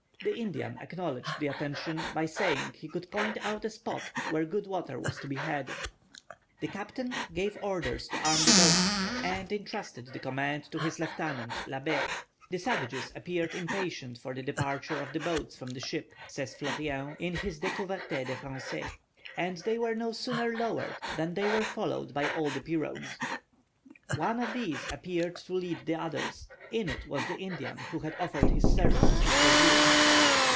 The Indian acknowledged the attention, by saying he could point out a spot where good water was to be had. The captain gave orders to arm the boats, and entrusted the command to his lieutenant Labbé. "The savages appeared impatient for the departure of the boats from the ship," says Fleurien, in his "Découvertes des Français," "and they were no sooner lowered than they were followed by all the pirogues. One of these appeared to lead the others; in it was the Indian who had offered his services to Surville.